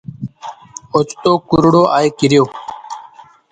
اوچتو ڪُرڙو آئي ڪريو۔